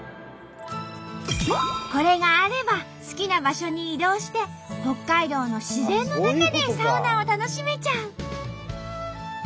これがあれば好きな場所に移動して北海道の自然の中でサウナを楽しめちゃう。